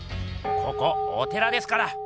ここお寺ですから！